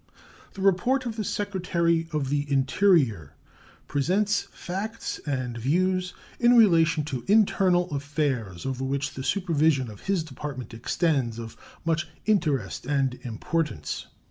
The report of the Secretary of the Interior presents facts and views in relation to internal affairs over which the supervision of his Department extends of much interest and importance.